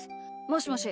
もしもし？